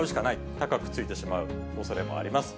高くついてしまうおそれもあります。